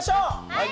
はい！